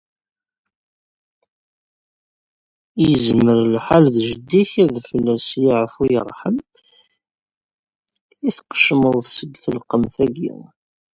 Yezmer lḥal d jeddi-k, fell-as yeɛfu yerḥem, i d-tqecmeḍ seg telqent-agi.